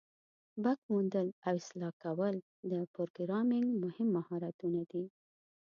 بګ موندل او اصلاح کول د پروګرامینګ مهم مهارتونه دي.